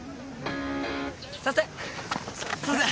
すいません。